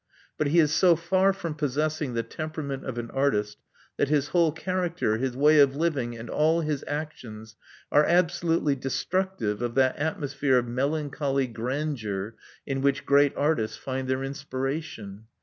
But he is so far from possessing the temperament of an artist, that his whole character, his way of living, and all his actions, are absolutely destructive of that atmosphere of melancholy grandeur in which great artists find their inspiration.